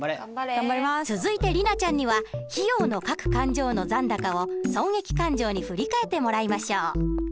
続いて莉奈ちゃんには費用の各勘定の残高を損益勘定に振り替えてもらいましょう。